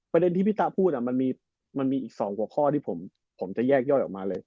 ประเด็นที่พี่ตะพูดมันมีอีก๒หัวข้อที่ผมจะแยกย่อยออกมาเลย